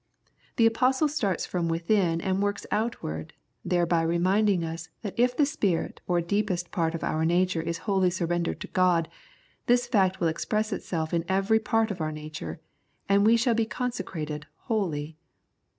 The Apostle starts from within and works outward, there by reminding us that if the spirit or deepest part of our nature is wholly surrendered to God, this fact will express itself in every part of our nature, and we shall be consecrated wholly.